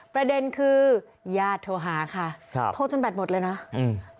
ประเด็นคือญาติโทรหาค่ะครับโทรจนแบตหมดเลยนะอืม